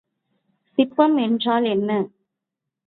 சிப்பம் என்றால் என்ன?